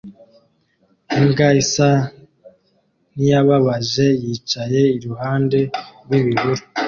Imbwa isa niyababaje yicaye iruhande rwibihuru